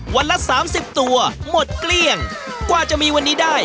วันละสามสิบตัวหมดเกลี้ยงกว่าจะมีวันนี้ได้